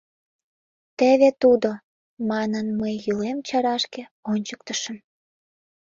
— Теве тудо, — манын, мый йӱлем чарашке ончыктышым.